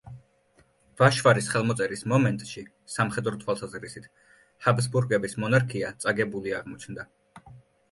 ვაშვარის ხელმოწერის მომენტში სამხედრო თვალსაზრისით ჰაბსბურგების მონარქია წაგებული აღმოჩნდა.